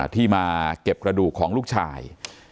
ที่มาเก็บกระดูกของลูกชาย